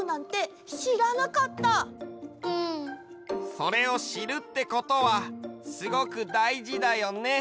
それをしるってことはすごくだいじだよね。